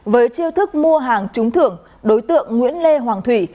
với chiêu thức mua hàng trúng thưởng đối tượng nguyễn lê hoàng thủy